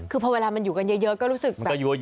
คือพอเวลามันอยู่กันเยอะก็รู้สึกแบบ